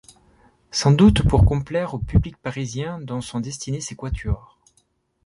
Sans doute pour complaire au public parisien dont sont destinés ces quatuors.